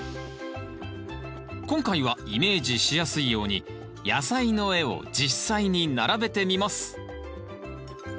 今回はイメージしやすいように野菜の絵を実際に並べてみます